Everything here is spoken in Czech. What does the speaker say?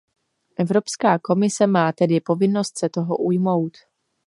Evropská komise má tedy povinnost se toho ujmout.